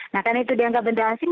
nah karena itu dianggap benda asing